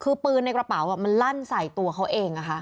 คือปืนในกระเป๋ามันลั่นใส่ตัวเขาเอง